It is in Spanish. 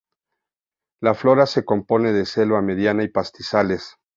La flora se compone de selva mediana y pastizales.